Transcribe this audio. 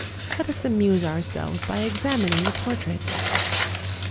Let us amuse ourselves by examining the portraits.'